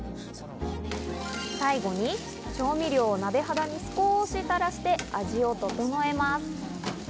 最後に調味料を鍋肌に少したらして味を調えます。